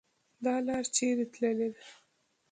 .دا لار چیري تللې ده؟